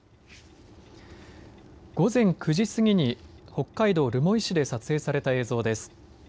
午前９時すぎに北海道留萌市で撮影された映像です。